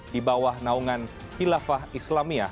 di bawah naungan hilafah islamia